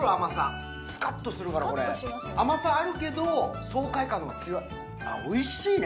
甘さあるけど爽快感のが強いおいしいね